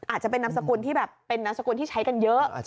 อาจจะเป็นนมสกุลที่ใช้กันเยอะ